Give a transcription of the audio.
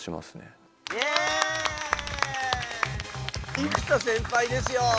生田先輩ですよ！